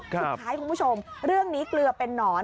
คุณผู้ชมเรื่องนี้เกลือเป็นนอน